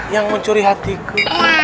yang mencuri hatiku